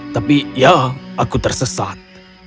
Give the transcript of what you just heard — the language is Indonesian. tapi ya aku tersesat